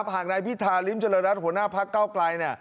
หากในพิทาริมจรรยศหัวหน้าภาคเก้าไกร